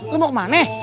lu mau kemana